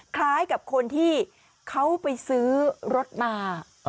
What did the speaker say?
คล้ายกับคนที่เขาไปซื้อรถมา